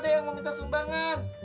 ada yang mau minta sumbangan